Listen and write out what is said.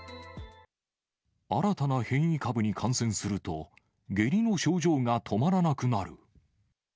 新たな変異株に感染すると、下痢の症状が止まらなくなる。